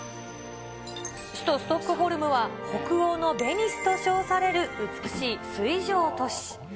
首都ストックホルムは北欧のベニスと称される美しい水上都市。